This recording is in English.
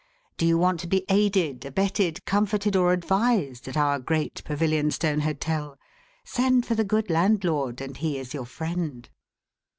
Do you want to be aided, abetted, comforted, or advised, at our Great Pavilionstone Hotel? Send for the good landlord, and he is your friend.